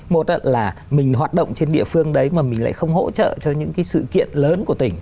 một là mình hoạt động trên địa phương đấy mà mình lại không hỗ trợ cho những cái sự kiện lớn của tỉnh